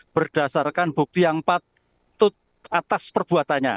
berdasarkan bukti yang patut atas perbuatannya